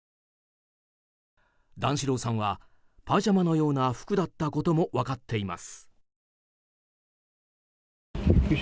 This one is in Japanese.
段四郎さんはパジャマのような服だったことも分かっています。